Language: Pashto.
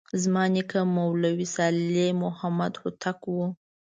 زما نیکه مولوي صالح محمد هوتک و.